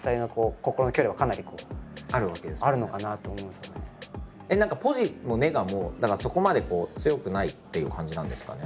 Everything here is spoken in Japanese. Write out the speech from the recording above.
存在的には何かまだ何かポジもネガもそこまで強くないっていう感じなんですかね。